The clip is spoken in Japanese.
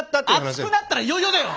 熱くなったらいよいよだよ！